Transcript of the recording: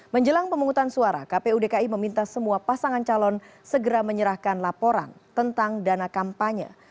menjelang pemungutan suara kpu dki meminta semua pasangan calon segera menyerahkan laporan tentang dana kampanye